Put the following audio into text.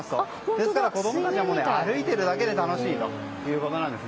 ですから子供たちも歩いているだけで楽しいということなんです。